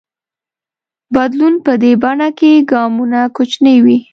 بدلون په دې بڼه کې ګامونه کوچني وي.